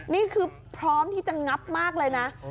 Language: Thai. นี่คือพร้อมที่จะงับมากเลยนะ